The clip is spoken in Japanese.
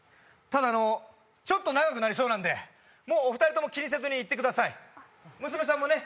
ただちょっと長くなりそうなんでもうお二人とも気にせずに行ってください娘さんもね